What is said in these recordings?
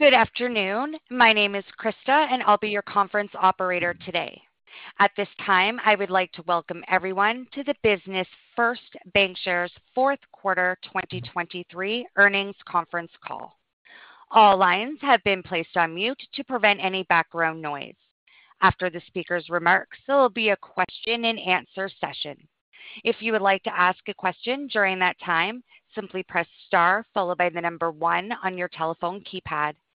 Good afternoon. My name is Krista, and I'll be your conference operator today. At this time, I would like to welcome everyone to the Business First Bancshares fourth quarter 2023 earnings conference call. All lines have been placed on mute to prevent any background noise. After the speaker's remarks, there will be a question-and-answer session. If you would like to ask a question during that time, simply press star followed by the number one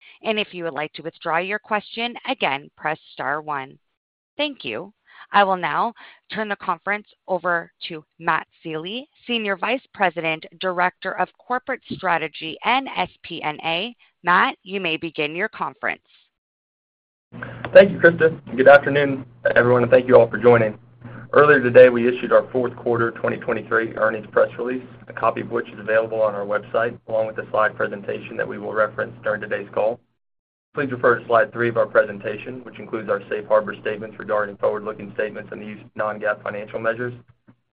on your telephone keypad. If you would like to withdraw your question, again, press star one. Thank you. I will now turn the conference over to Matt Sealy, Senior Vice President, Director of Corporate Strategy and FP&A. Matt, you may begin your conference. Thank you, Krista. Good afternoon, everyone, and thank you all for joining. Earlier today, we issued our fourth quarter 2023 earnings press release, a copy of which is available on our website, along with the slide presentation that we will reference during today's call. Please refer to slide three of our presentation, which includes our safe harbor statements regarding forward-looking statements and the use of non-GAAP financial measures.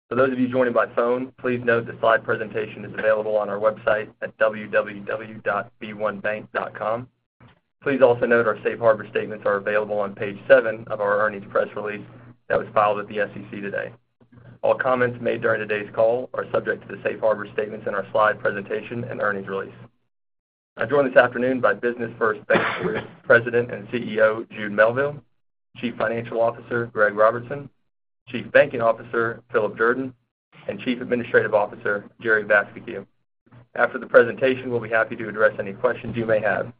For those of you joining by phone, please note the slide presentation is available on our website at www.b1bank.com. Please also note our safe harbor statements are available on page seven of our earnings press release that was filed with the SEC today. All comments made during today's call are subject to the safe harbor statements in our slide presentation and earnings release. I'm joined this afternoon by Business First Bancshares President and CEO, Jude Melville, Chief Financial Officer, Greg Robertson, Chief Banking Officer, Philip Jordan, and Chief Administrative Officer, Jerry Vascocu. After the presentation, we'll be happy to address any questions you may have.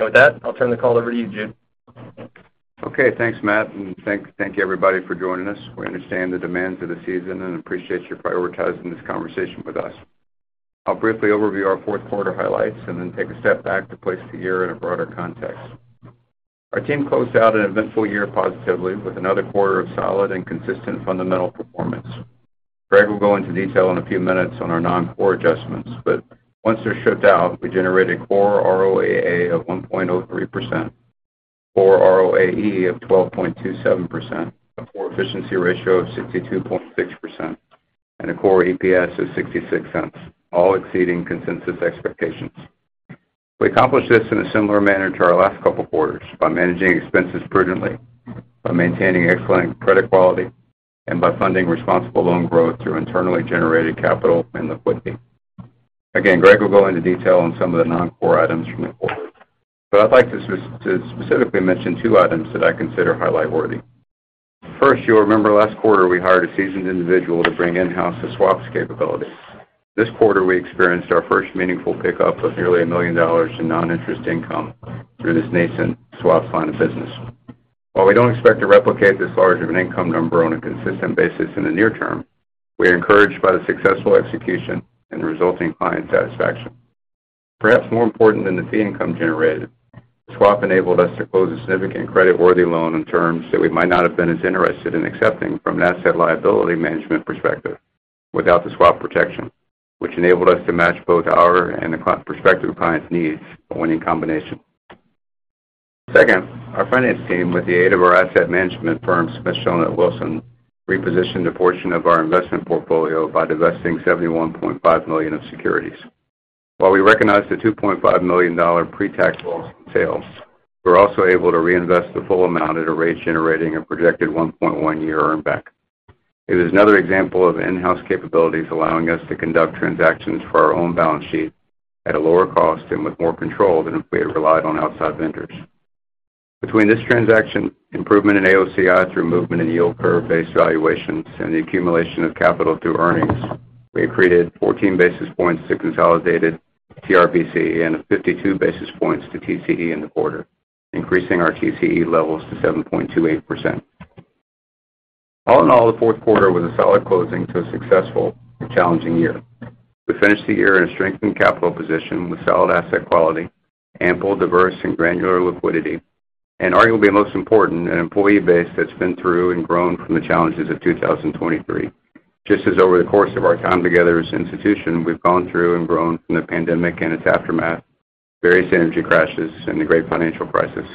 With that, I'll turn the call over to you, Jude. Okay, thanks, Matt, and thank, thank you, everybody, for joining us. We understand the demands of the season and appreciate you prioritizing this conversation with us. I'll briefly overview our fourth quarter highlights and then take a step back to place the year in a broader context. Our team closed out an eventful year positively, with another quarter of solid and consistent fundamental performance. Greg will go into detail in a few minutes on our non-core adjustments, but once they're stripped out, we generated core ROAA of 1.03%, core ROAE of 12.27%, a core efficiency ratio of 62.6%, and a core EPS of $0.66, all exceeding consensus expectations. We accomplished this in a similar manner to our last couple of quarters, by managing expenses prudently, by maintaining excellent credit quality, and by funding responsible loan growth through internally generated capital and liquidity. Again, Greg will go into detail on some of the non-core items from the quarter, but I'd like to specifically mention two items that I consider highlight-worthy. First, you'll remember last quarter, we hired a seasoned individual to bring in-house the swaps capability. This quarter, we experienced our first meaningful pickup of nearly $1 million in non-interest income through this nascent swap line of business. While we don't expect to replicate this large of an income number on a consistent basis in the near term, we are encouraged by the successful execution and the resulting client satisfaction. Perhaps more important than the fee income generated, swap enabled us to close a significant creditworthy loan on terms that we might not have been as interested in accepting from an asset liability management perspective without the swap protection, which enabled us to match both our and the prospective client's needs, a winning combination. Second, our finance team, with the aid of our asset management firm, Smith Shellnut Wilson, repositioned a portion of our investment portfolio by divesting $71.5 million of securities. While we recognized a $2.5 million pretax loss in sales, we're also able to reinvest the full amount at a rate generating a projected 1.1-year earn back. It is another example of in-house capabilities allowing us to conduct transactions for our own balance sheet at a lower cost and with more control than if we had relied on outside vendors. Between this transaction, improvement in AOCI through movement in yield curve-based valuations and the accumulation of capital through earnings, we have created 14 basis points to consolidated TRBC and 52 basis points to TCE in the quarter, increasing our TCE levels to 7.28%. All in all, the fourth quarter was a solid closing to a successful and challenging year. We finished the year in a strengthened capital position with solid asset quality, ample, diverse, and granular liquidity, and arguably most important, an employee base that's been through and grown from the challenges of 2023. Just as over the course of our time together as an institution, we've gone through and grown from the pandemic and its aftermath, various energy crashes, and the great financial crisis.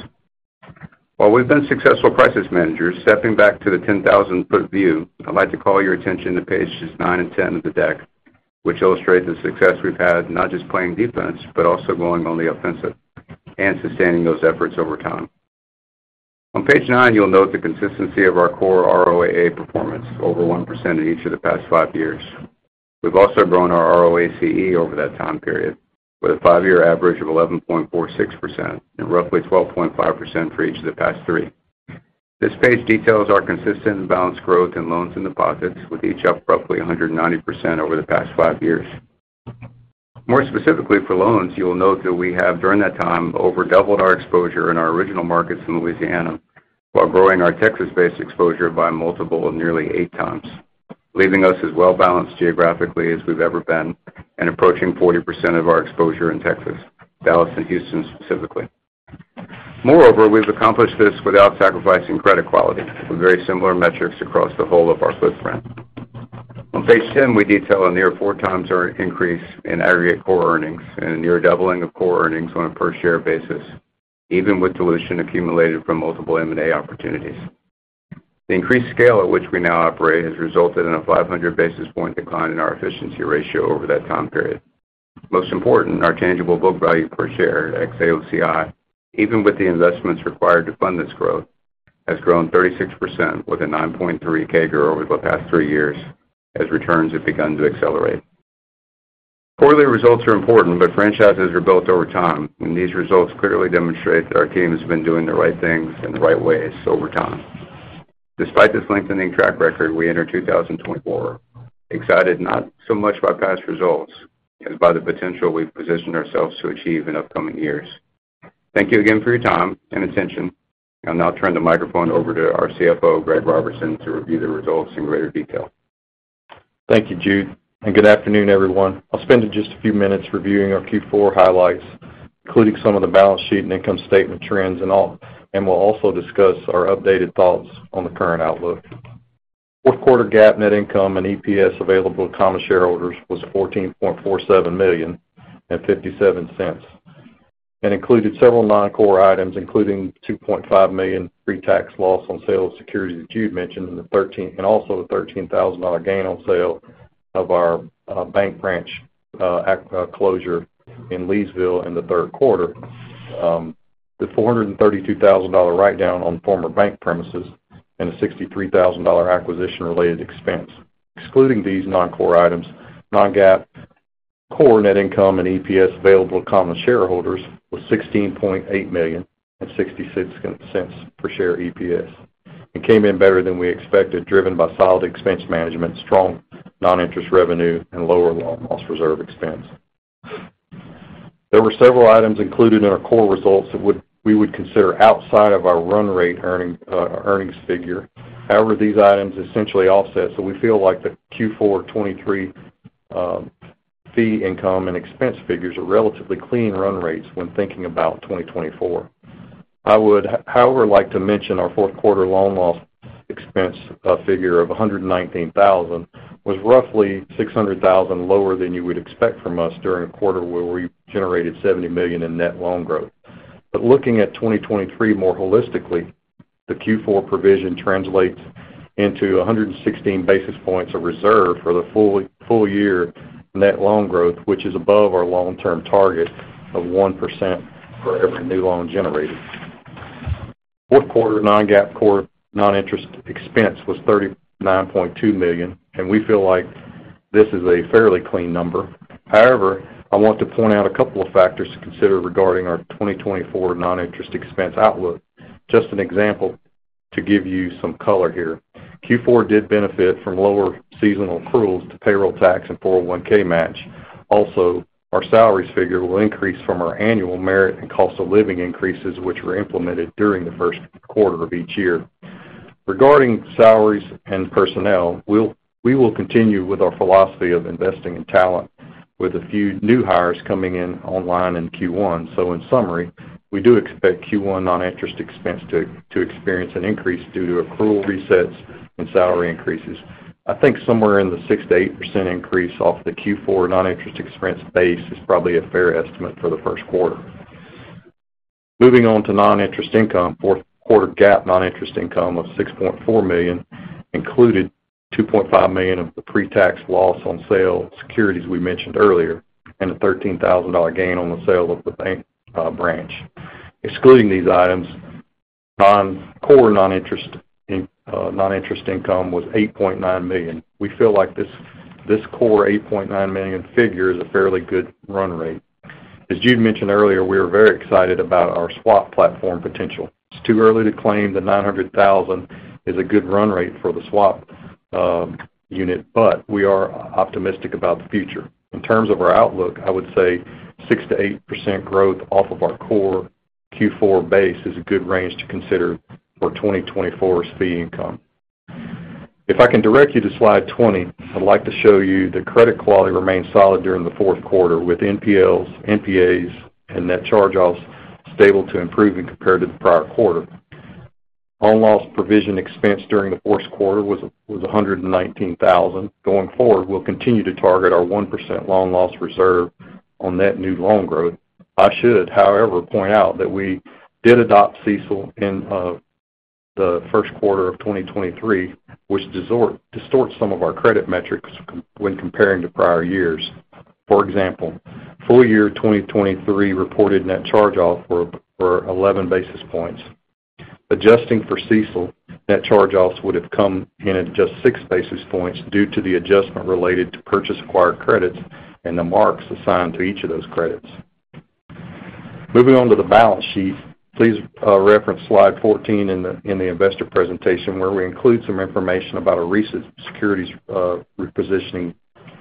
While we've been successful crisis managers, stepping back to the 10,000-ft view, I'd like to call your attention to pages nine and 10 of the deck, which illustrates the success we've had, not just playing defense, but also going on the offensive and sustaining those efforts over time. On page nine, you'll note the consistency of our core ROAA performance, over 1% in each of the past 5 years. We've also grown our ROACE over that time period, with a 5-year average of 11.46% and roughly 12.5% for each of the past three. This page details our consistent and balanced growth in loans and deposits, with each up roughly 190% over the past 5 years. More specifically, for loans, you will note that we have, during that time, over doubled our exposure in our original markets in Louisiana, while growing our Texas-based exposure by a multiple of nearly 8x, leaving us as well-balanced geographically as we've ever been and approaching 40% of our exposure in Texas, Dallas and Houston, specifically. Moreover, we've accomplished this without sacrificing credit quality with very similar metrics across the whole of our footprint. On page 10, we detail a near 4x earnings increase in aggregate core earnings and a near doubling of core earnings on a per-share basis, even with dilution accumulated from multiple M&A opportunities.... The increased scale at which we now operate has resulted in a 500 basis point decline in our efficiency ratio over that time period. Most important, our tangible book value per share, ex-AOCI, even with the investments required to fund this growth, has grown 36%, with a 9.3 CAGR over the past 3 years as returns have begun to accelerate. Quarterly results are important, but franchises are built over time, and these results clearly demonstrate that our team has been doing the right things in the right ways over time. Despite this lengthening track record, we enter 2024 excited, not so much by past results, as by the potential we've positioned ourselves to achieve in upcoming years. Thank you again for your time and attention. I'll now turn the microphone over to our CFO, Greg Robertson, to review the results in greater detail. Thank you, Jude, and good afternoon, everyone. I'll spend just a few minutes reviewing our Q4 highlights, including some of the balance sheet and income statement trends and all. We'll also discuss our updated thoughts on the current outlook. Fourth quarter GAAP net income and EPS available to common shareholders was $14.47 million and $0.57, and included several non-core items, including $2.5 million pre-tax loss on sale of securities, as Jude mentioned, and also the $13,000 gain on sale of our bank branch at closure in Leesville in the third quarter, the $432,000 write-down on former bank premises, and a $63,000 acquisition-related expense. Excluding these non-core items, non-GAAP core net income and EPS available to common shareholders was $16.8 million and $0.66 per share EPS, and came in better than we expected, driven by solid expense management, strong non-interest revenue, and lower loan loss reserve expense. There were several items included in our core results that we would consider outside of our run rate earnings figure. However, these items essentially offset, so we feel like the Q4 2023 fee, income, and expense figures are relatively clean run rates when thinking about 2024. I would, however, like to mention our fourth quarter loan loss expense figure of $119,000 was roughly $600,000 lower than you would expect from us during a quarter where we generated $70 million in net loan growth. But looking at 2023 more holistically, the Q4 provision translates into 116 basis points of reserve for the full, full year net loan growth, which is above our long-term target of 1% for every new loan generated. Fourth quarter non-GAAP core non-interest expense was $39.2 million, and we feel like this is a fairly clean number. However, I want to point out a couple of factors to consider regarding our 2024 non-interest expense outlook. Just an example to give you some color here. Q4 did benefit from lower seasonal accruals to payroll tax and 401(k) match. Also, our salaries figure will increase from our annual merit and cost of living increases, which were implemented during the first quarter of each year. Regarding salaries and personnel, we will continue with our philosophy of investing in talent, with a few new hires coming in online in Q1. So in summary, we do expect Q1 non-interest expense to experience an increase due to accrual resets and salary increases. I think somewhere in the 6%-8% increase off the Q4 non-interest expense base is probably a fair estimate for the first quarter. Moving on to non-interest income. Fourth quarter GAAP non-interest income of $6.4 million included $2.5 million of the pre-tax loss on sale securities we mentioned earlier, and a $13,000 gain on the sale of the bank branch. Excluding these items, non-core non-interest income was $8.9 million. We feel like this core $8.9 million figure is a fairly good run rate. As Jude mentioned earlier, we are very excited about our swap platform potential. It's too early to claim that 900,000 is a good run rate for the swap unit, but we are optimistic about the future. In terms of our outlook, I would say 6%-8% growth off of our core Q4 base is a good range to consider for 2024's fee income. If I can direct you to slide 20, I'd like to show you the credit quality remained solid during the fourth quarter, with NPLs, NPAs, and net charge-offs stable to improve when compared to the prior quarter. Loan loss provision expense during the fourth quarter was $119,000. Going forward, we'll continue to target our 1% loan loss reserve on net new loan growth. I should, however, point out that we did adopt CECL in the first quarter of 2023, which distorts some of our credit metrics when comparing to prior years. For example, full year 2023 reported net charge-off for 11 basis points. Adjusting for CECL, net charge-offs would have come in at just 6 basis points due to the adjustment related to purchased acquired credits and the marks assigned to each of those credits. Moving on to the balance sheet, please reference slide 14 in the investor presentation, where we include some information about our recent securities repositioning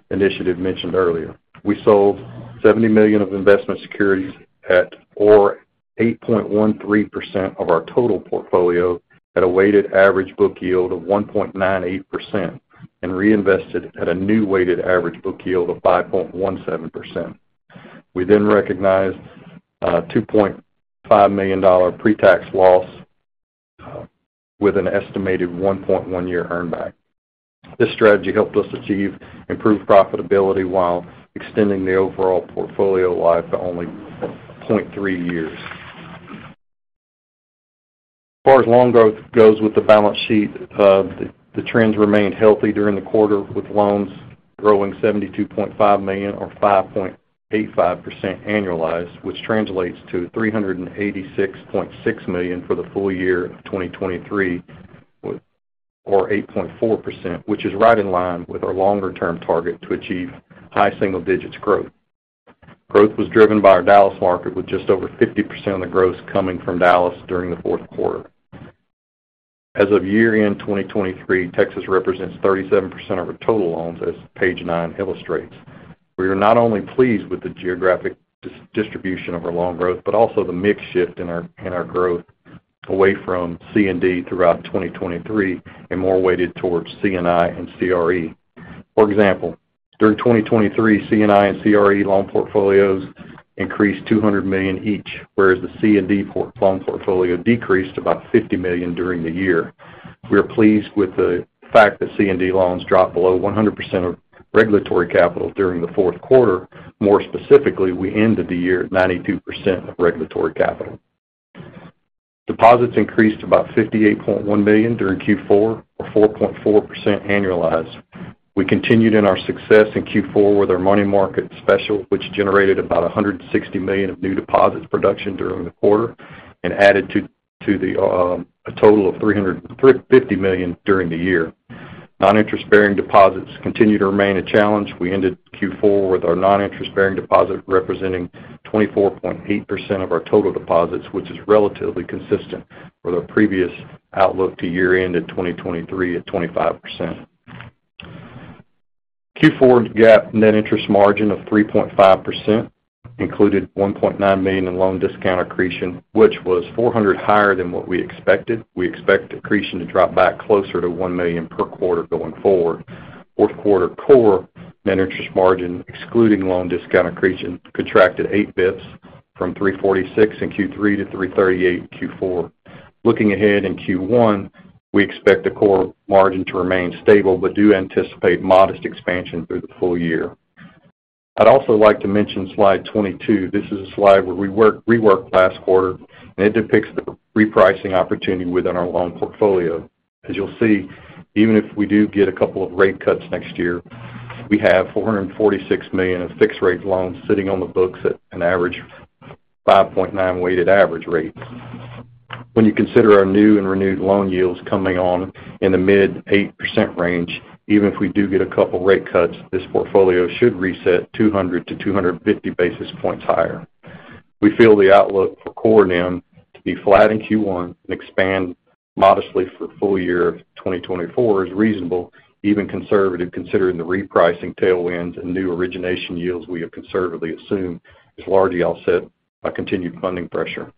initiative mentioned earlier. We sold $70 million of investment securities at or 8.13% of our total portfolio at a weighted average book yield of 1.98% and reinvested at a new weighted average book yield of 5.17%. We then recognized a $2.5 million pre-tax loss, with an estimated 1.1-year earn back. This strategy helped us achieve improved profitability while extending the overall portfolio life to only 0.3 years. As far as loan growth goes with the balance sheet, the trends remained healthy during the quarter, with loans growing $72.5 million, or 5.85% annualized, which translates to $386.6 million for the full year of 2023, or 8.4%, which is right in line with our longer-term target to achieve high single digits growth. Growth was driven by our Dallas market, with just over 50% of the growth coming from Dallas during the fourth quarter. As of year-end 2023, Texas represents 37% of our total loans, as page nine illustrates. We are not only pleased with the geographic distribution of our loan growth, but also the mix shift in our, in our growth away from C&D throughout 2023, and more weighted towards C&I and CRE. For example, during 2023, C&I and CRE loan portfolios increased $200 million each, whereas the C&D loan portfolio decreased about $50 million during the year. We are pleased with the fact that C&D loans dropped below 100% of regulatory capital during the fourth quarter. More specifically, we ended the year at 92% of regulatory capital. Deposits increased about $58.1 million during Q4, or 4.4% annualized. We continued in our success in Q4 with our money market special, which generated about $160 million of new deposits production during the quarter and added to the a total of $350 million during the year. Non-interest-bearing deposits continue to remain a challenge. We ended Q4 with our non-interest-bearing deposit representing 24.8% of our total deposits, which is relatively consistent with our previous outlook to year-end 2023 at 25%. Q4 GAAP net interest margin of 3.5% included $1.9 million in loan discount accretion, which was $400 higher than what we expected. We expect accretion to drop back closer to $1 million per quarter going forward. Fourth quarter core net interest margin, excluding loan discount accretion, contracted 8 basis points from 3.46% in Q3 to 3.38% in Q4. Looking ahead in Q1, we expect the core margin to remain stable, but do anticipate modest expansion through the full year. I'd also like to mention slide 22. This is a slide where we worked last quarter, and it depicts the repricing opportunity within our loan portfolio. As you'll see, even if we do get a couple of rate cuts next year, we have $446 million of fixed-rate loans sitting on the books at an average of 5.9 weighted average rate. When you consider our new and renewed loan yields coming on in the mid 8% range, even if we do get a couple rate cuts, this portfolio should reset 200-250 basis points higher. We feel the outlook for core NIM to be flat in Q1 and expand modestly for full year of 2024 is reasonable, even conservative, considering the repricing tailwinds and new origination yields we have conservatively assumed is largely offset by continued funding pressure.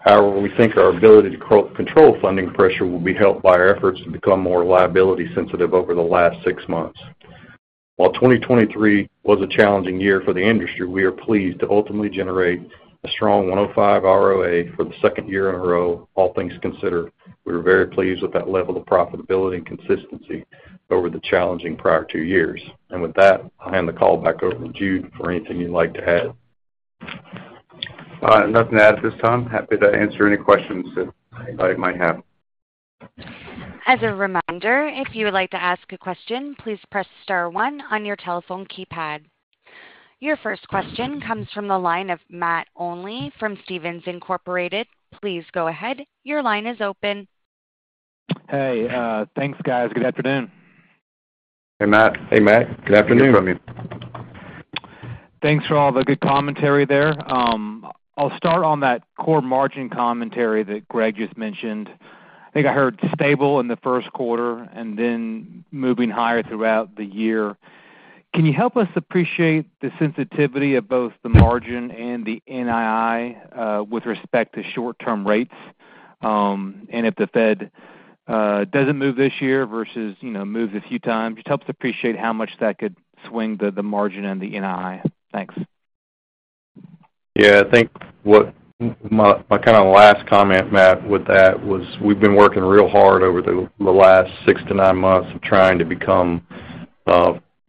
However, we think our ability to control funding pressure will be helped by our efforts to become more liability sensitive over the last 6 months. While 2023 was a challenging year for the industry, we are pleased to ultimately generate a strong 1.05 ROA for the second year in a row. All things considered, we were very pleased with that level of profitability and consistency over the challenging prior 2 years. And with that, I'll hand the call back over to Jude for anything you'd like to add. Nothing to add at this time. Happy to answer any questions that anybody might have. As a reminder, if you would like to ask a question, please press star one on your telephone keypad. Your first question comes from the line of Matt Olney from Stephens Inc. Please go ahead. Your line is open. Hey, thanks, guys. Good afternoon. Hey, Matt. Hey, Matt. Good afternoon. Good afternoon. Thanks for all the good commentary there. I'll start on that core margin commentary that Greg just mentioned. I think I heard stable in the first quarter and then moving higher throughout the year. Can you help us appreciate the sensitivity of both the margin and the NII with respect to short-term rates? And if the Fed doesn't move this year versus, you know, moves a few times, just help us appreciate how much that could swing the margin and the NII. Thanks. Yeah, I think what my, my kind of last comment, Matt, with that, was we've been working real hard over the last 6-9 months trying to become,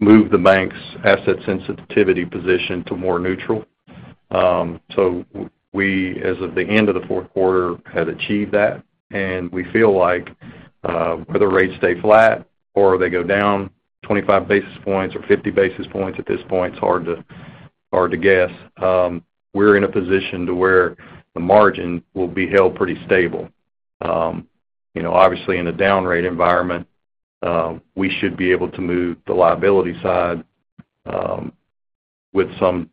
move the bank's asset sensitivity position to more neutral. So we, as of the end of the fourth quarter, had achieved that, and we feel like, whether rates stay flat or they go down 25 basis points or 50 basis points, at this point, it's hard to guess. We're in a position to where the margin will be held pretty stable. You know, obviously, in a down rate environment, we should be able to move the liability side, with some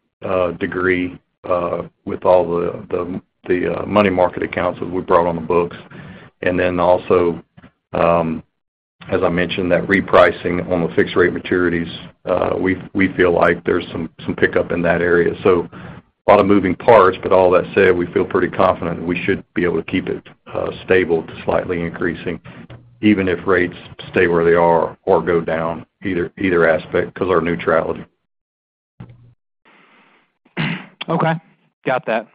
degree, with all the money market accounts that we brought on the books. And then also, as I mentioned, that repricing on the fixed-rate maturities, we feel like there's some pickup in that area. So a lot of moving parts, but all that said, we feel pretty confident we should be able to keep it, stable to slightly increasing, even if rates stay where they are or go down, either aspect, because our neutrality.... Okay, got that.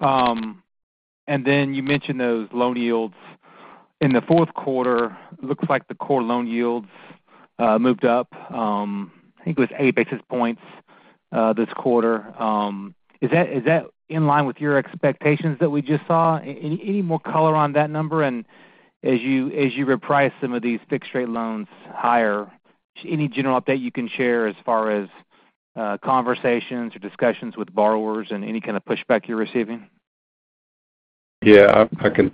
And then you mentioned those loan yields in the fourth quarter. Looks like the core loan yields moved up, I think it was eight basis points this quarter. Is that in line with your expectations that we just saw? Any more color on that number? And as you reprice some of these fixed-rate loans higher, any general update you can share as far as conversations or discussions with borrowers and any kind of pushback you're receiving? Yeah, I can,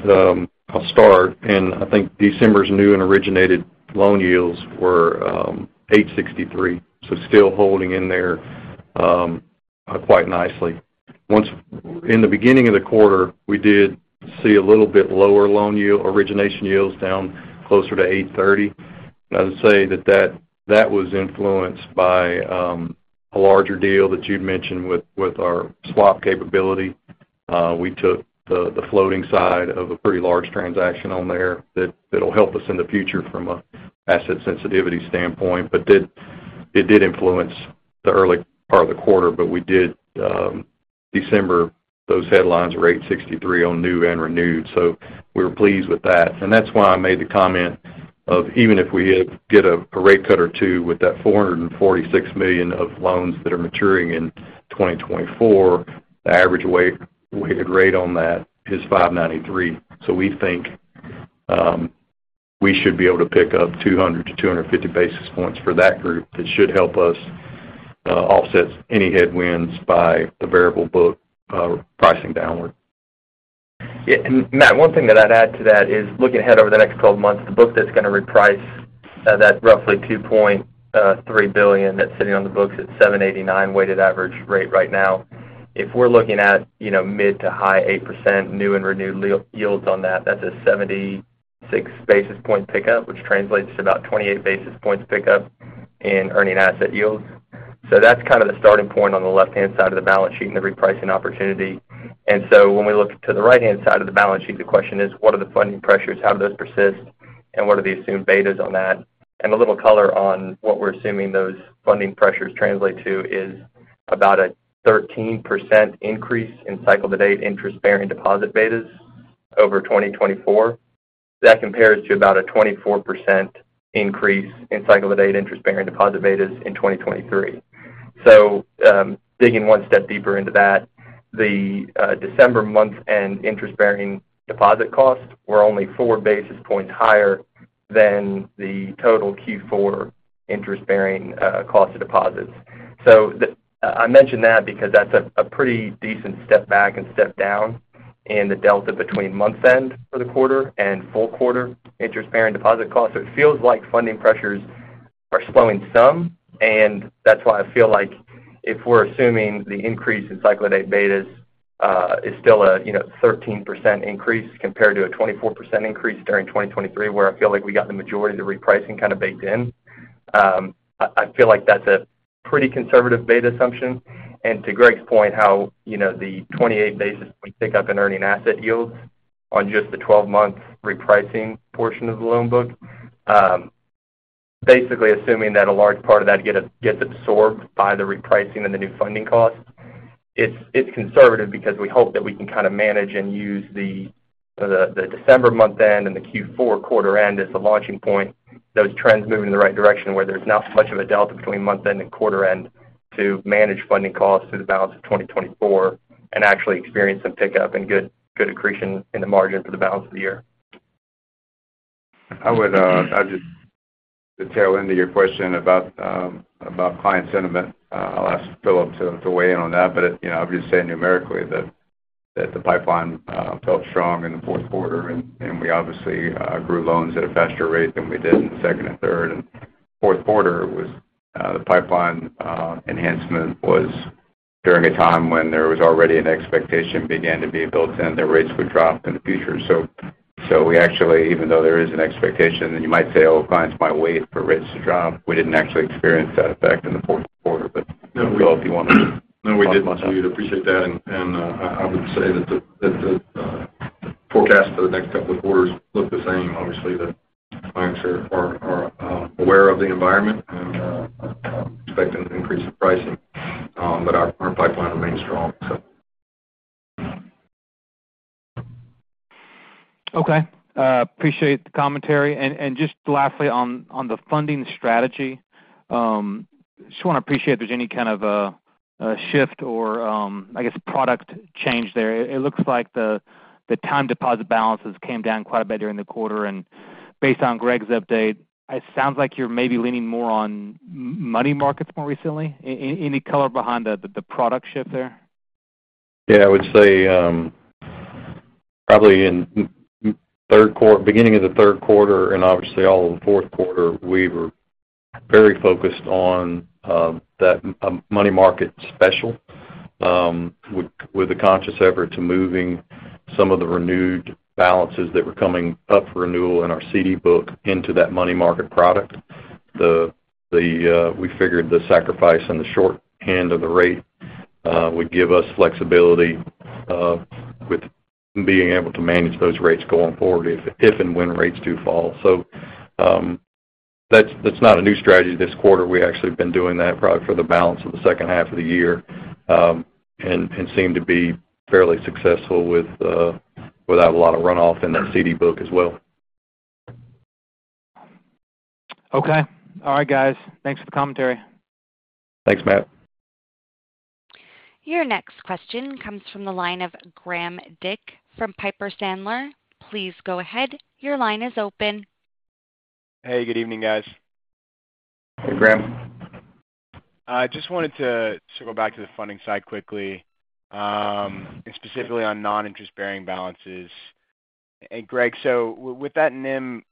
I'll start. I think December's new and originated loan yields were 8.63%, so still holding in there quite nicely. In the beginning of the quarter, we did see a little bit lower loan yield, origination yields down closer to 8.30%. I would say that that was influenced by a larger deal that you'd mentioned with our swap capability. We took the floating side of a pretty large transaction on there that'll help us in the future from an asset sensitivity standpoint, but it did influence the early part of the quarter. But we did. December those headlines were 8.63% on new and renewed. So we were pleased with that. And that's why I made the comment of even if we did get a rate cut or two with that $446 million of loans that are maturing in 2024, the average weighted rate on that is 5.93%. So we think we should be able to pick up 200-250 basis points for that group. That should help us offset any headwinds by the variable book pricing downward. Yeah, and Matt, one thing that I'd add to that is, looking ahead over the next 12 months, the book that's going to reprice, that roughly $2.3 billion that's sitting on the books at 7.89% weighted average rate right now. If we're looking at, you know, mid- to high-8% new and renewed loan yields on that, that's a 76 basis point pickup, which translates to about 28 basis points pickup in earning asset yields. So that's kind of the starting point on the left-hand side of the balance sheet and the repricing opportunity. And so when we look to the right-hand side of the balance sheet, the question is: What are the funding pressures? How do those persist, and what are the assumed betas on that? And a little color on what we're assuming those funding pressures translate to is about a 13% increase in cycle-to-date interest-bearing deposit betas over 2024. That compares to about a 24% increase in cycle-to-date interest-bearing deposit betas in 2023. So, digging one step deeper into that, the December month-end interest-bearing deposit costs were only 4 basis points higher than the total Q4 interest-bearing cost of deposits. So the—I, I mention that because that's a, a pretty decent step back and step down in the delta between month-end for the quarter and full quarter interest-bearing deposit costs. So it feels like funding pressures are slowing some, and that's why I feel like if we're assuming the increase in cycle-to-date betas is still a, you know, 13% increase compared to a 24% increase during 2023, where I feel like we got the majority of the repricing kind of baked in. I feel like that's a pretty conservative beta assumption. And to Greg's point, you know, the 28 basis we pick up in earning asset yields on just the 12-month repricing portion of the loan book, basically assuming that a large part of that gets absorbed by the repricing and the new funding costs, it's conservative because we hope that we can kind of manage and use the December month-end and the Q4 quarter-end as the launching point. Those trends moving in the right direction, where there's not so much of a delta between month-end and quarter-end to manage funding costs through the balance of 2024 and actually experience some pickup and good, good accretion in the margin for the balance of the year. I would, I just to tie into your question about, about client sentiment, I'll ask Philip to, to weigh in on that. But, you know, I'll just say numerically that, that the pipeline felt strong in the fourth quarter, and, and we obviously, grew loans at a faster rate than we did in the second and third. And fourth quarter was, the pipeline, enhancement was during a time when there was already an expectation began to be built in, that rates would drop in the future. So, so we actually, even though there is an expectation that you might say, oh, clients might wait for rates to drop, we didn't actually experience that effect in the fourth quarter. But, Philip, you want to- No, we did. We appreciate that, and I would say that the forecast for the next couple of quarters look the same. Obviously, the clients are aware of the environment and expecting an increase in pricing, but our pipeline remains strong, so. Okay, appreciate the commentary. And just lastly on the funding strategy, just want to appreciate if there's any kind of a shift or, I guess, product change there. It looks like the time deposit balances came down quite a bit during the quarter, and based on Greg's update, it sounds like you're maybe leaning more on money markets more recently. Any color behind the product shift there? Yeah, I would say, probably in the beginning of the third quarter and obviously all of the fourth quarter, we were very focused on that money market special with a conscious effort to moving some of the renewed balances that were coming up for renewal in our CD book into that money market product. We figured the sacrifice and the short hand of the rate would give us flexibility with being able to manage those rates going forward if and when rates do fall. So, that's not a new strategy this quarter. We actually have been doing that probably for the balance of the second half of the year and seem to be fairly successful without a lot of runoff in that CD book as well. Okay. All right, guys. Thanks for the commentary. Thanks, Matt. Your next question comes from the line of Graham Dick from Piper Sandler. Please go ahead. Your line is open. Hey, good evening, guys. Hey, Graham. I just wanted to go back to the funding side quickly, and specifically on non-interest-bearing balances. Greg, so with that NIM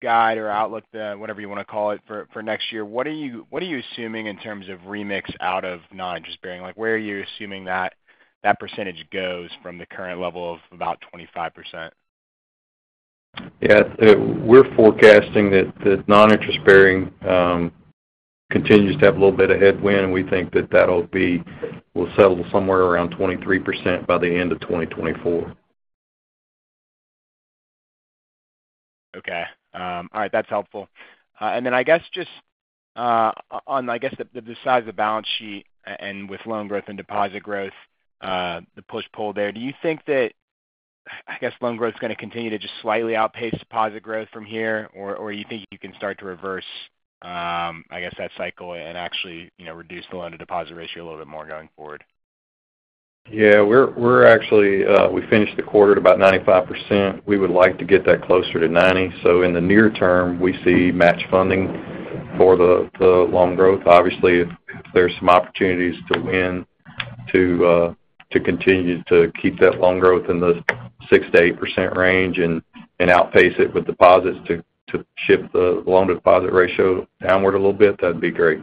guide or outlook, the whatever you want to call it, for next year, what are you assuming in terms of remix out of non-interest-bearing? Like, where are you assuming that percentage goes from the current level of about 25%? Yeah, we're forecasting that the non-interest-bearing continues to have a little bit of headwind, and we think that that'll will settle somewhere around 23% by the end of 2024. Okay. All right, that's helpful. And then I guess just on, I guess, the size of the balance sheet and with loan growth and deposit growth, the push-pull there, do you think that, I guess, loan growth is going to continue to just slightly outpace deposit growth from here, or you think you can start to reverse, I guess, that cycle and actually, you know, reduce the loan-to-deposit ratio a little bit more going forward? Yeah, we're, we're actually, we finished the quarter at about 95%. We would like to get that closer to 90%. So in the near term, we see match funding for the, the loan growth. Obviously, if there's some opportunities to win, to, to continue to keep that loan growth in the 6%-8% range and, and outpace it with deposits to, to shift the loan-to-deposit ratio downward a little bit, that'd be great.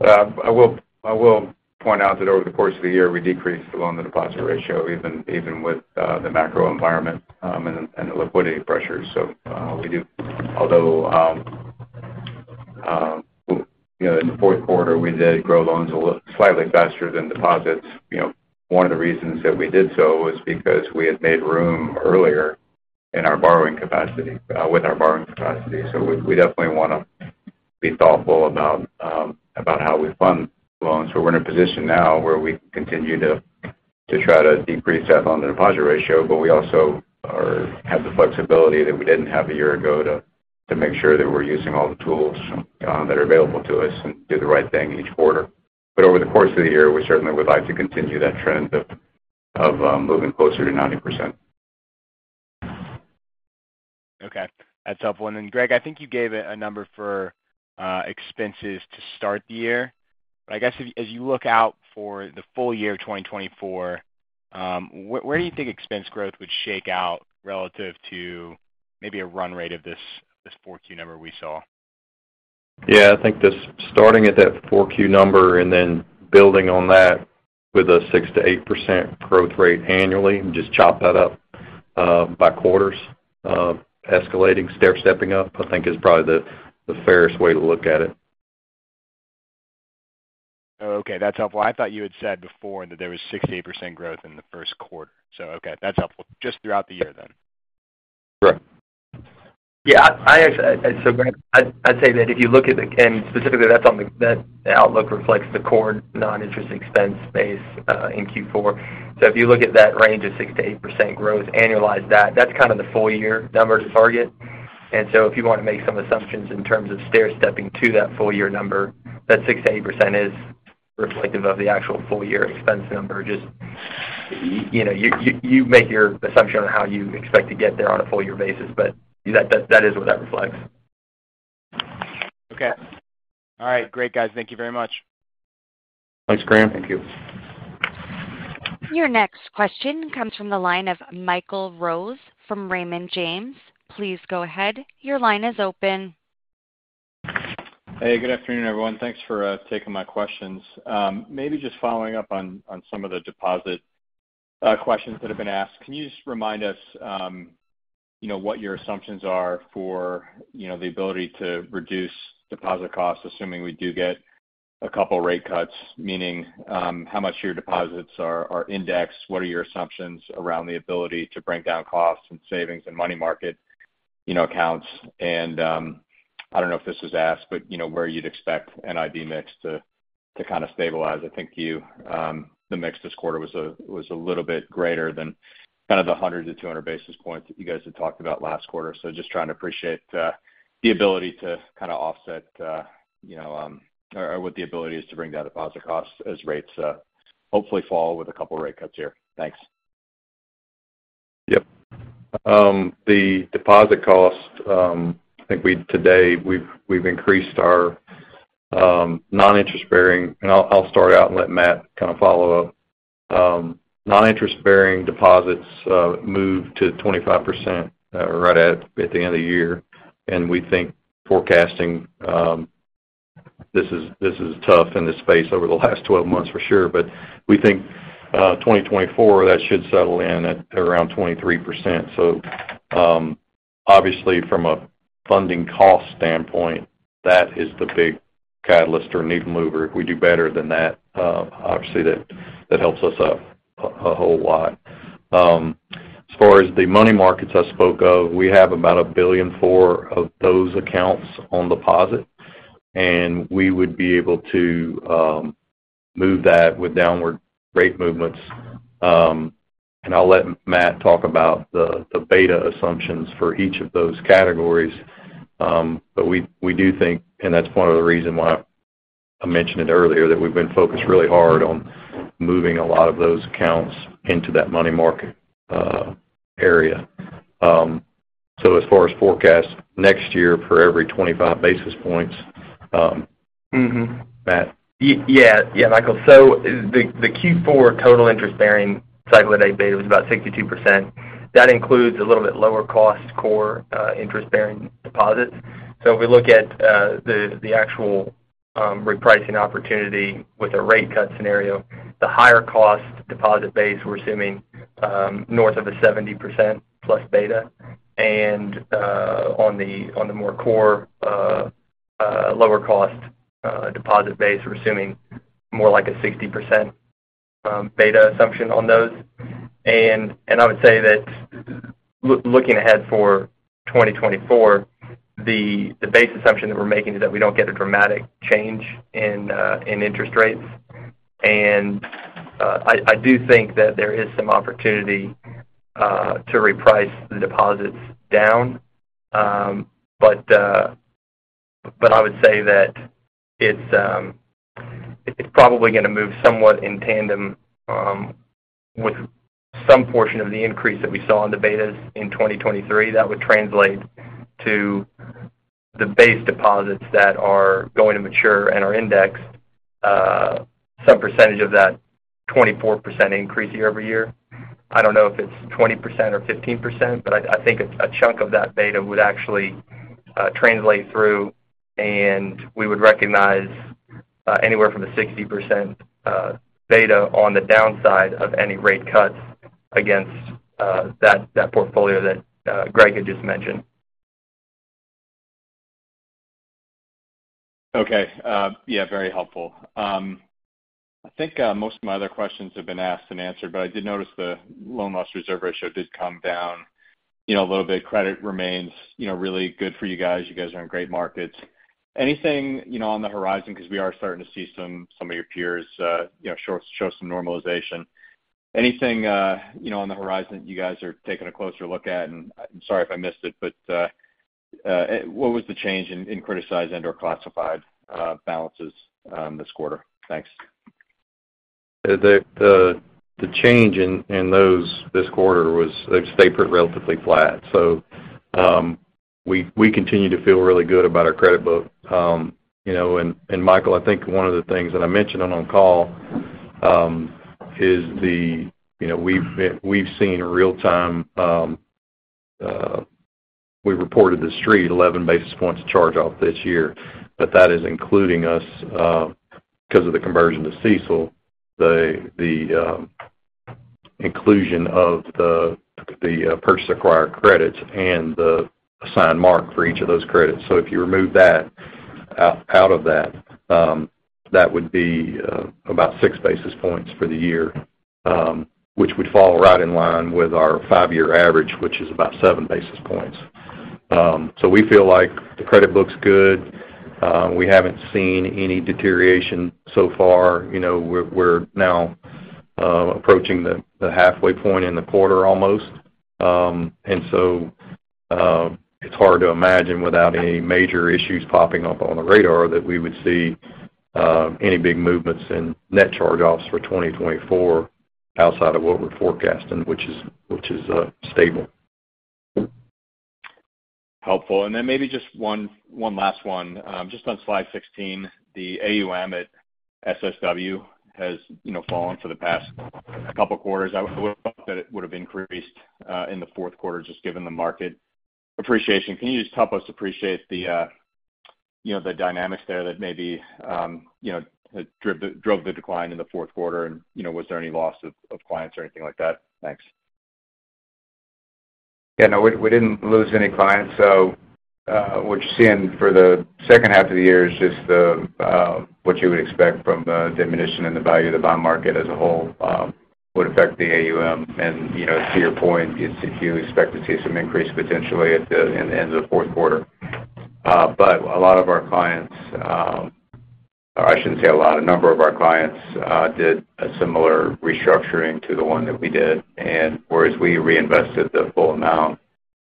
I will point out that over the course of the year, we decreased the loan-to-deposit ratio, even with the macro environment and the liquidity pressures. So, although you know, in the fourth quarter, we did grow loans a little slightly faster than deposits. You know, one of the reasons that we did so was because we had made room earlier in our borrowing capacity with our borrowing capacity. So we definitely want to be thoughtful about how we fund loans. So we're in a position now where we continue to try to decrease that loan-to-deposit ratio, but we also have the flexibility that we didn't have a year ago to make sure that we're using all the tools that are available to us and do the right thing each quarter. But over the course of the year, we certainly would like to continue that trend of moving closer to 90%. Okay, that's helpful. And then, Greg, I think you gave a number for expenses to start the year. But I guess as you look out for the full year of 2024, where do you think expense growth would shake out relative to maybe a run rate of this 4Q number we saw? Yeah, I think this starting at that 4Q number and then building on that with a 6%-8% growth rate annually, and just chop that up by quarters, escalating, stair stepping up, I think is probably the fairest way to look at it. Oh, okay. That's helpful. I thought you had said before that there was 6%-8% growth in the first quarter. So okay, that's helpful. Just throughout the year then. Correct. Yeah, I'd say that if you look at the... And specifically, that's on the- that outlook reflects the core non-interest expense base in Q4. So if you look at that range of 6%-8% growth, annualize that, that's kind of the full year number to target. And so if you want to make some assumptions in terms of stair stepping to that full year number, that 6%-8% is reflective of the actual full year expense number. Just, you know, you make your assumption on how you expect to get there on a full year basis, but that is what that reflects. Okay. All right. Great, guys. Thank you very much. Thanks, Graham. Thank you. Your next question comes from the line of Michael Rose from Raymond James. Please go ahead. Your line is open. Hey, good afternoon, everyone. Thanks for taking my questions. Maybe just following up on some of the deposit questions that have been asked. Can you just remind us, you know, what your assumptions are for, you know, the ability to reduce deposit costs, assuming we do get a couple rate cuts? Meaning, how much your deposits are indexed, what are your assumptions around the ability to bring down costs and savings and money market, you know, accounts? And I don't know if this was asked, but you know, where you'd expect an IB mix to kind of stabilize. I think you, the mix this quarter was a little bit greater than kind of the 100-200 basis points that you guys had talked about last quarter. Just trying to appreciate the ability to kind of offset, you know, or what the ability is to bring down deposit costs as rates hopefully fall with a couple rate cuts here. Thanks. Yep. The deposit cost, I think, today we've increased our non-interest-bearing. And I'll start out and let Matt kind of follow up. Non-interest-bearing deposits moved to 25%, right at the end of the year. And we think forecasting, this is tough in this space over the last 12 months, for sure, but we think, 2024, that should settle in at around 23%. So, obviously, from a funding cost standpoint, that is the big catalyst or a need mover. If we do better than that, obviously, that helps us out a whole lot. As far as the money markets I spoke of, we have about $1.4 billion of those accounts on deposit, and we would be able to move that with downward rate movements. And I'll let Matt talk about the beta assumptions for each of those categories. But we do think, and that's one of the reason why I mentioned it earlier, that we've been focused really hard on moving a lot of those accounts into that money market area. As far as forecast next year, for every 25 basis points, Matt? Yeah, Michael. So the Q4 total interest-bearing cycle at APY was about 62%. That includes a little bit lower cost core interest-bearing deposits. So if we look at the actual repricing opportunity with a rate cut scenario, the higher cost deposit base, we're assuming north of a +70% beta. And on the more core lower cost deposit base, we're assuming more like a 60% beta assumption on those. And I would say that looking ahead for 2024, the base assumption that we're making is that we don't get a dramatic change in interest rates. And I do think that there is some opportunity to reprice the deposits down. But I would say that it's probably gonna move somewhat in tandem with some portion of the increase that we saw in the betas in 2023. That would translate to the base deposits that are going to mature and are indexed, some percentage of that 24% increase year-over-year. I don't know if it's 20% or 15%, but I think a chunk of that beta would actually translate through, and we would recognize anywhere from a 60% beta on the downside of any rate cuts against that portfolio that Greg had just mentioned. Okay. Yeah, very helpful. I think most of my other questions have been asked and answered, but I did notice the loan loss reserve ratio did come down, you know, a little bit. Credit remains, you know, really good for you guys. You guys are in great markets. Anything, you know, on the horizon, because we are starting to see some of your peers, you know, show some normalization. Anything, you know, on the horizon you guys are taking a closer look at? And I'm sorry if I missed it, but what was the change in criticized and/or classified balances this quarter? Thanks. The change in those this quarter was they've stayed pretty relatively flat. So, we continue to feel really good about our credit book. You know, and Michael, I think one of the things that I mentioned on call is the... You know, we've been—we've seen in real time, we reported the Street 11 basis points charge-off this year, but that is including us because of the conversion to CECL, the inclusion of the purchased acquired credits and the assigned mark for each of those credits. So if you remove that out of that, that would be about 6 basis points for the year, which would fall right in line with our 5-year average, which is about 7 basis points. So we feel like the credit book's good. We haven't seen any deterioration so far. You know, we're now approaching the halfway point in the quarter almost. And so, it's hard to imagine, without any major issues popping up on the radar, that we would see any big movements in net charge-offs for 2024 outside of what we're forecasting, which is stable. Helpful. And then maybe just one last one. Just on slide 16, the AUM at SSW has, you know, fallen for the past couple of quarters. I would've thought that it would have increased in the fourth quarter, just given the market appreciation. Can you just help us appreciate the, you know, the dynamics there that maybe drove the decline in the fourth quarter? And, you know, was there any loss of clients or anything like that? Thanks. Yeah, no, we didn't lose any clients. So, what you're seeing for the second half of the year is just the what you would expect from the diminution in the value of the bond market as a whole would affect the AUM. And, you know, to your point, you'd you expect to see some increase potentially at the in the end of the fourth quarter. But a lot of our clients, I shouldn't say a lot, a number of our clients did a similar restructuring to the one that we did. And whereas we reinvested the full amount,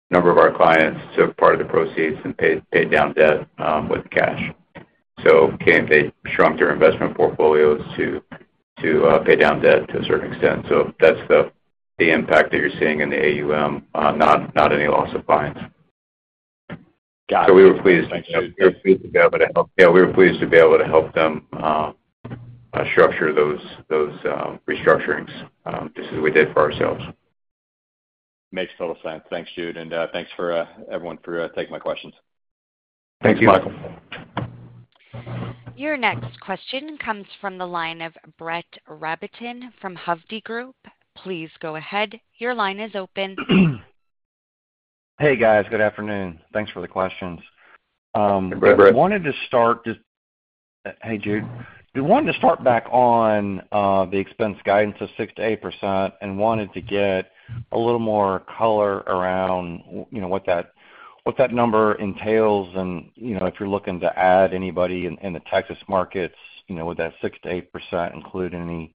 a number of our clients took part of the proceeds and paid down debt with cash. So, they shrunk their investment portfolios to pay down debt to a certain extent. So that's the impact that you're seeing in the AUM, not any loss of clients. Got it. So we were pleased to be able to help. Yeah, we were pleased to be able to help them structure those restructurings just as we did for ourselves. Makes total sense. Thanks, Jude, and thanks, everyone, for taking my questions. Thank you, Michael. Your next question comes from the line of Brett Rabatin from Hovde Group. Please go ahead. Your line is open. ... Hey, guys. Good afternoon. Thanks for the questions. Hey, Brett. Wanted to start, hey, Jude. We wanted to start back on the expense guidance of 6%-8% and wanted to get a little more color around, you know, what that number entails, and, you know, if you're looking to add anybody in the Texas markets, you know, would that 6%-8% include any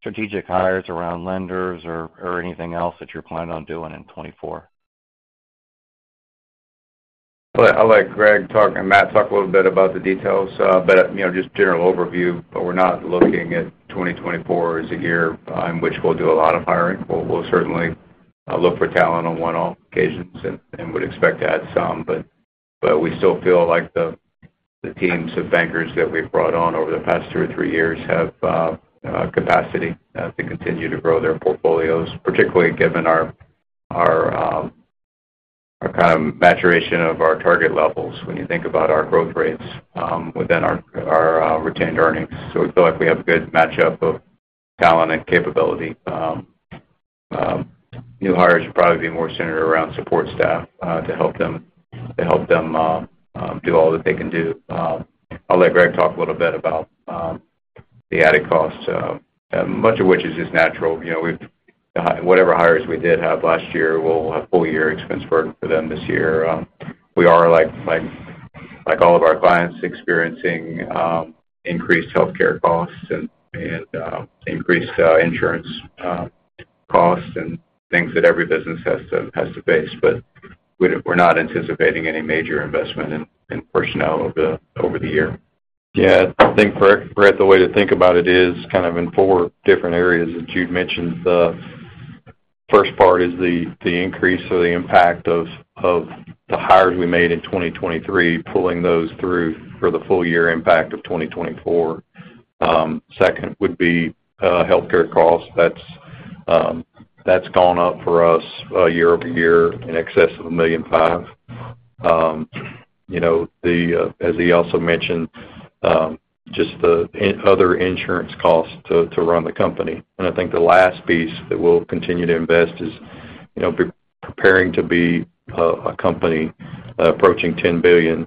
strategic hires around lenders or anything else that you're planning on doing in 2024? Well, I'll let Greg talk, and Matt talk a little bit about the details, but, you know, just general overview, but we're not looking at 2024 as a year on which we'll do a lot of hiring. We'll certainly look for talent on one-off occasions and would expect to add some, but we still feel like the teams of bankers that we've brought on over the past 2 or 3 years have capacity to continue to grow their portfolios, particularly given our our kind of maturation of our target levels when you think about our growth rates within our retained earnings. So we feel like we have a good match-up of talent and capability. New hires will probably be more centered around support staff to help them do all that they can do. I'll let Greg talk a little bit about the added costs, much of which is just natural. You know, we've whatever hires we did have last year, we'll have full year expense burden for them this year. We are, like all of our clients, experiencing increased healthcare costs and increased insurance costs and things that every business has to face, but we're not anticipating any major investment in personnel over the year. Yeah, I think, Brett, the way to think about it is kind of in four different areas that Jude mentioned. The first part is the increase or the impact of the hires we made in 2023, pulling those through for the full year impact of 2024. Second would be healthcare costs. That's gone up for us year-over-year, in excess of $1.5 million. You know, as he also mentioned, just the other insurance costs to run the company. And I think the last piece that we'll continue to invest is, you know, preparing to be a company approaching $10 billion.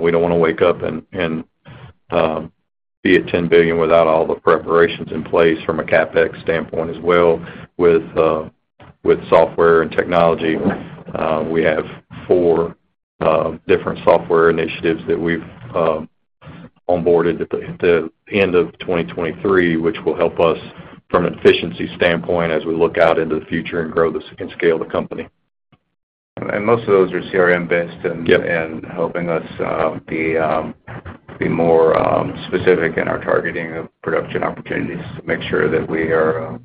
We don't want to wake up and be at $10 billion without all the preparations in place from a CapEx standpoint as well with software and technology. We have four different software initiatives that we've onboarded at the end of 2023, which will help us from an efficiency standpoint as we look out into the future and grow this and scale the company. And most of those are CRM based- Yep. - and helping us be more specific in our targeting of production opportunities to make sure that we are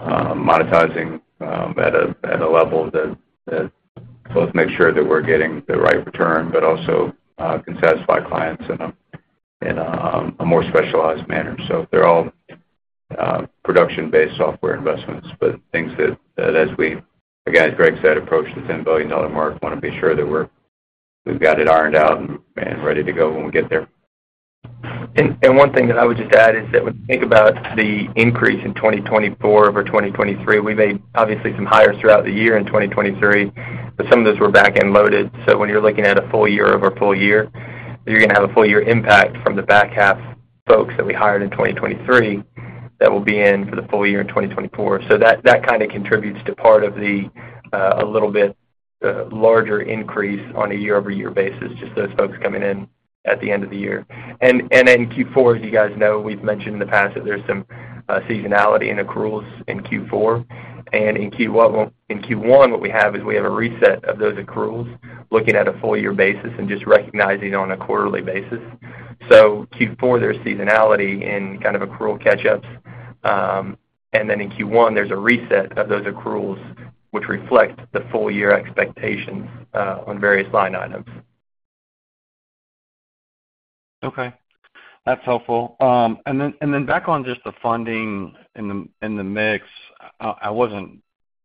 monetizing at a level that both make sure that we're getting the right return, but also can satisfy clients in a more specialized manner. So they're all production-based software investments, but things that as we, again, as Greg said, approach the $10 billion mark, want to be sure that we've got it ironed out and ready to go when we get there. And one thing that I would just add is that when you think about the increase in 2024 over 2023, we made obviously some hires throughout the year in 2023, but some of those were back-end loaded. So when you're looking at a full year over full year, you're going to have a full year impact from the back half folks that we hired in 2023, that will be in for the full year in 2024. So that kind of contributes to part of the a little bit larger increase on a year-over-year basis, just those folks coming in at the end of the year. And in Q4, as you guys know, we've mentioned in the past that there's some seasonality in accruals in Q4. In Q1, well, in Q1, what we have is we have a reset of those accruals, looking at a full year basis and just recognizing on a quarterly basis. So Q4, there's seasonality in kind of accrual catch-ups. And then in Q1, there's a reset of those accruals, which reflect the full year expectations, on various line items. Okay. That's helpful. And then, and then back on just the funding and the mix, I wasn't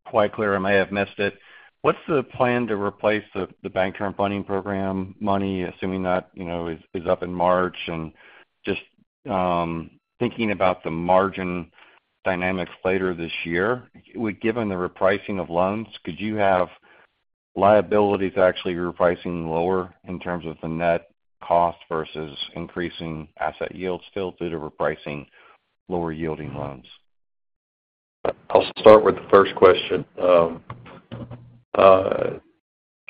quite clear, I may have missed it. What's the plan to replace the Bank Term Funding Program money, assuming that, you know, is up in March? And just thinking about the margin dynamics later this year, given the repricing of loans, could you have liabilities actually repricing lower in terms of the net cost versus increasing asset yields still due to repricing lower-yielding loans? I'll start with the first question.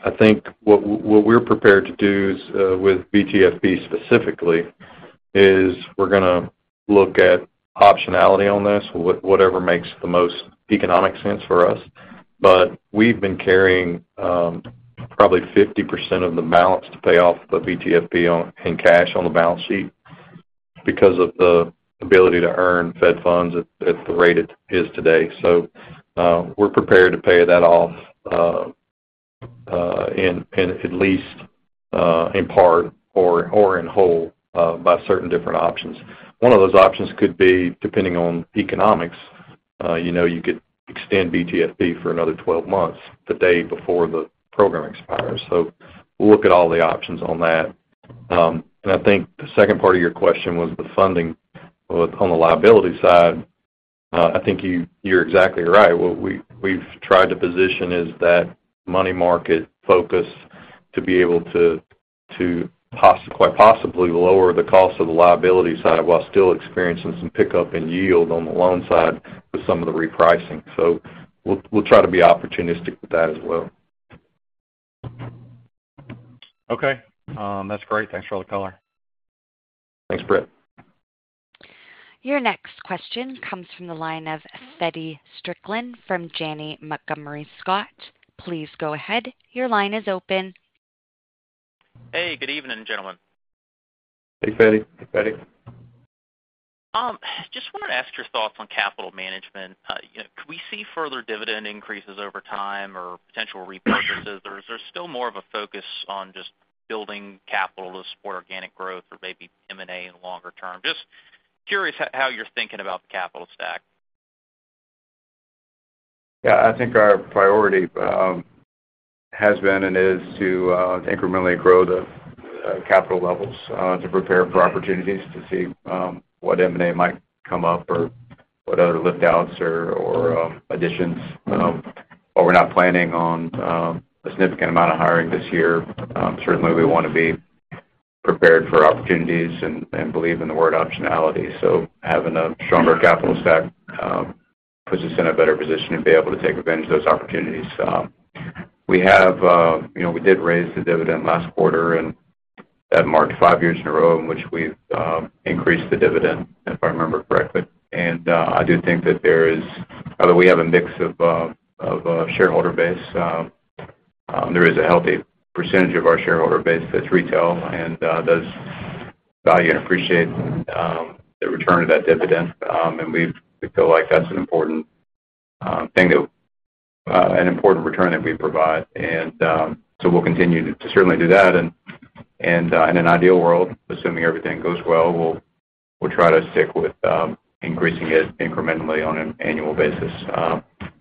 I think what we're prepared to do is, with BTFP specifically, we're gonna look at optionality on this, whatever makes the most economic sense for us. But we've been carrying probably 50% of the balance to pay off the BTFP in cash on the balance sheet because of the ability to earn Fed funds at the rate it is today. So, we're prepared to pay that off in at least in part or in whole by certain different options. One of those options could be, depending on economics, you know, you could extend BTFP for another 12 months, the day before the program expires. So we'll look at all the options on that. I think the second part of your question was the funding on the liability side. …I think you, you're exactly right. What we, we've tried to position is that money market focus to be able to quite possibly lower the cost of the liability side, while still experiencing some pickup in yield on the loan side with some of the repricing. So we'll, we'll try to be opportunistic with that as well. Okay, that's great. Thanks for all the color. Thanks, Brett. Your next question comes from the line of Feddie Strickland from Janney Montgomery Scott. Please go ahead. Your line is open. Hey, good evening, gentlemen. Hey, Feddie. Hey, Feddie. Just wanted to ask your thoughts on capital management. Could we see further dividend increases over time or potential repurchases, or is there still more of a focus on just building capital to support organic growth or maybe M&A in the longer term? Just curious how, how you're thinking about the capital stack. Yeah, I think our priority has been and is to incrementally grow the capital levels to prepare for opportunities to see what M&A might come up or what other lift outs or additions. But we're not planning on a significant amount of hiring this year. Certainly, we want to be prepared for opportunities and believe in the word optionality. So having a stronger capital stack puts us in a better position to be able to take advantage of those opportunities. We have, you know, we did raise the dividend last quarter, and that marked 5 years in a row in which we've increased the dividend, if I remember correctly. I do think that there is, although we have a mix of shareholder base, there is a healthy percentage of our shareholder base that's retail and does value and appreciate the return of that dividend. And we feel like that's an important thing to, an important return that we provide. And so we'll continue to certainly do that. And in an ideal world, assuming everything goes well, we'll try to stick with increasing it incrementally on an annual basis.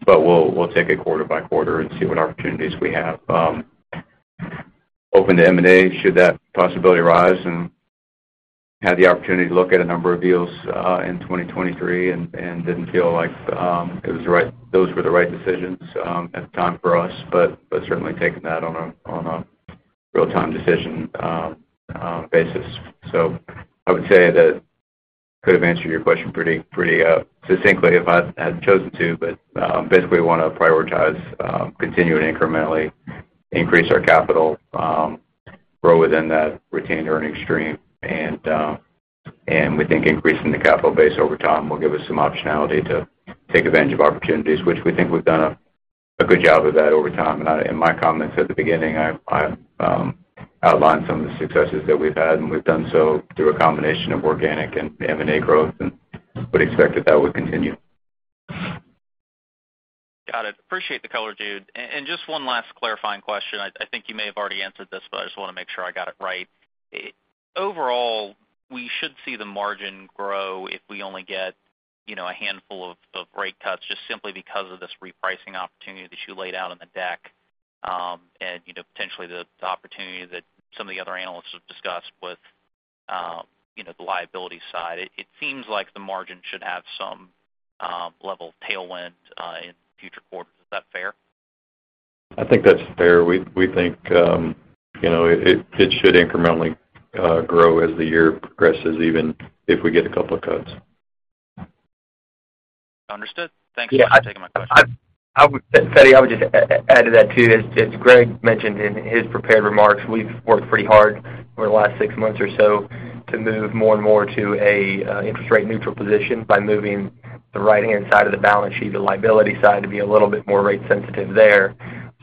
But we'll take it quarter by quarter and see what opportunities we have. Open to M&A should that possibility arise and had the opportunity to look at a number of deals in 2023 and didn't feel like it was the right, those were the right decisions at the time for us, but certainly taking that on a real-time decision basis. So I would say that could have answered your question pretty succinctly if I had chosen to, but basically, we want to prioritize continuing to incrementally increase our capital, grow within that retained earnings stream. And we think increasing the capital base over time will give us some optionality to take advantage of opportunities, which we think we've done a good job of that over time. In my comments at the beginning, I outlined some of the successes that we've had, and we've done so through a combination of organic and M&A growth, and would expect that that would continue. Got it. Appreciate the color, Jude. And just one last clarifying question. I think you may have already answered this, but I just want to make sure I got it right. Overall, we should see the margin grow if we only get, you know, a handful of rate cuts, just simply because of this repricing opportunity that you laid out in the deck, and, you know, potentially the opportunity that some of the other analysts have discussed with, you know, the liability side. It seems like the margin should have some level of tailwind in future quarters. Is that fair? I think that's fair. We think, you know, it should incrementally grow as the year progresses, even if we get a couple of cuts. Understood. Thanks for taking my question. Feddie, I would just add to that, too. As Greg mentioned in his prepared remarks, we've worked pretty hard over the last 6 months or so to move more and more to an interest rate neutral position by moving the right-hand side of the balance sheet, the liability side, to be a little bit more rate sensitive there.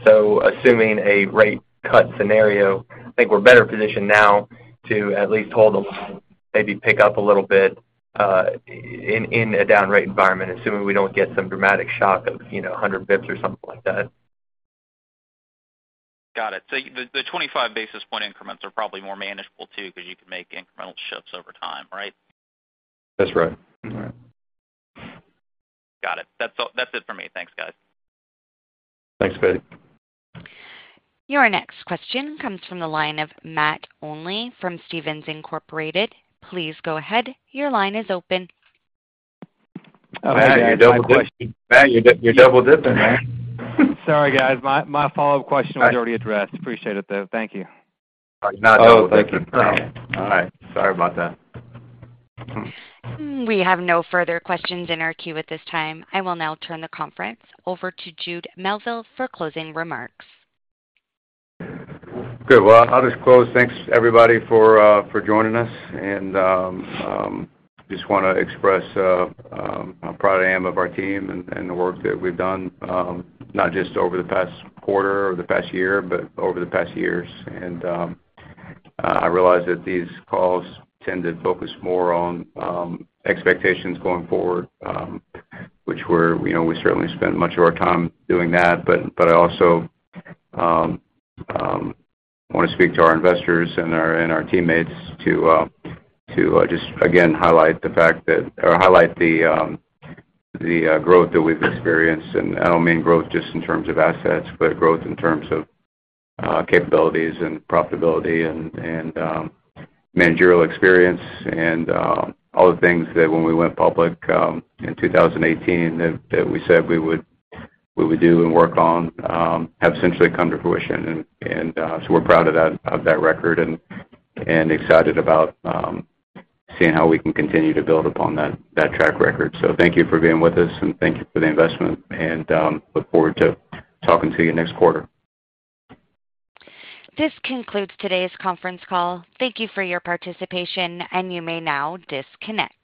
So assuming a rate cut scenario, I think we're better positioned now to at least hold them, maybe pick up a little bit in a down rate environment, assuming we don't get some dramatic shock of, you know, 100 basis points or something like that. Got it. So the 25 basis point increments are probably more manageable, too, because you can make incremental shifts over time, right? That's right. All right. Got it. That's all. That's it for me. Thanks, guys. Thanks, Feddie. Your next question comes from the line of Matt Olney from Stephens Inc. Please go ahead. Your line is open. Oh, Matt, you're double-dipping, man. Sorry, guys. My, my follow-up question was already addressed. Appreciate it, though. Thank you. You're not double-dipping. All right. Sorry about that. We have no further questions in our queue at this time. I will now turn the conference over to Jude Melville for closing remarks. Good. Well, I'll just close. Thanks, everybody, for joining us. And, just want to express, how proud I am of our team and, and the work that we've done, not just over the past quarter or the past year, but over the past years. And, I realize that these calls tend to focus more on, expectations going forward, which we're, you know, we certainly spend much of our time doing that. But, I also, want to speak to our investors and our, and our teammates to, to just again highlight the fact that... or highlight the, the, growth that we've experienced. I don't mean growth just in terms of assets, but growth in terms of capabilities and profitability and managerial experience and all the things that when we went public in 2018, that we said we would do and work on have since then come to fruition. And so we're proud of that record and excited about seeing how we can continue to build upon that track record. So thank you for being with us, and thank you for the investment, and look forward to talking to you next quarter. This concludes today's conference call. Thank you for your participation, and you may now disconnect.